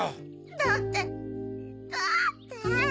だってだって。